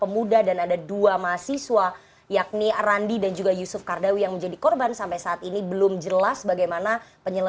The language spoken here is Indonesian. masih ini mendengar masih ini mendengar